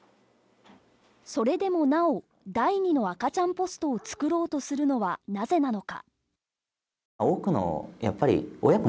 それでもなお、第二の赤ちゃんポストを作ろうとするのはなぜなのか。